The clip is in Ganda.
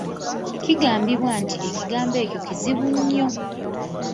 Kigambibwa nti ekigambo ekyo kizibu nnyo.